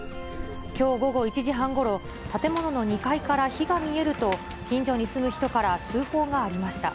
きょう午後１時半ごろ、建物の２階から火が見えると、近所に住む人から通報がありました。